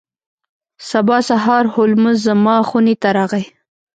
سبا سهار هولمز زما خونې ته راغی.